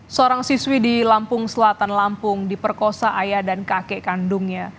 seorang siswi di lampung selatan lampung diperkosa ayah dan kakek kandungnya